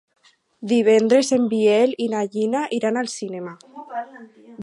Divendres en Biel i na Gina iran al cinema.